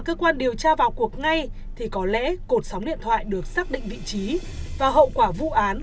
cơ quan điều tra vào cuộc ngay thì có lẽ cột sóng điện thoại được xác định vị trí và hậu quả vụ án